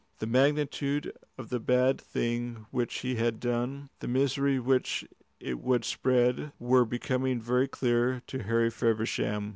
The magnitude of the bad thing which he had done, the misery which it would spread, were becoming very clear to Harry Feversham.